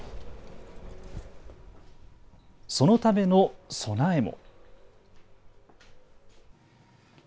そのための備えも。